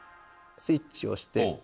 スイッチを押して。